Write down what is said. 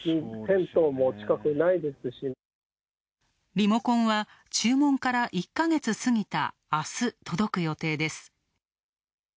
リモコンは注文から１か月過ぎた、あす、届く予定です。